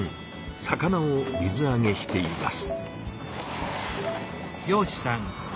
魚を水あげしています。